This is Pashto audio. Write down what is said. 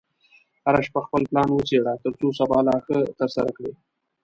هره شپه خپل پلان وڅېړه، ترڅو سبا لا ښه ترسره کړې.